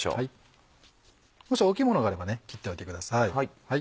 もし大きいものがあれば切っておいてください。